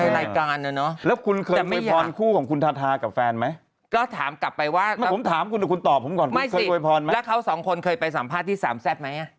แล้วเขาสองคนเคยไปสัมภาษณ์ที่สามแซ่บไหม